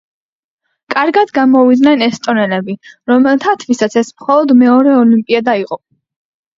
კარგად გამოვიდნენ ესტონელები, რომელთათვისაც ეს მხოლოდ მეორე ოლიმპიადა იყო.